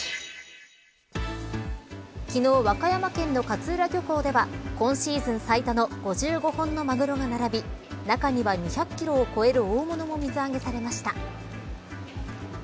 昨日、和歌山県の勝浦漁港では今シーズン最多の５５本のマグロが並び中には２００キロを超える大物も水揚げされました。